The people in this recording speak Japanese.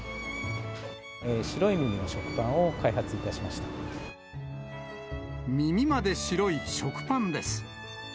白い耳の食パンを開発いたし耳まで白い食パンです。